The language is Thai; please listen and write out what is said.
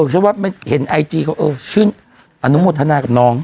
เอ๋อหรือว่าแม่เห็นไอจีเค้าเออชื่นออนุโมทหนะกับน้อง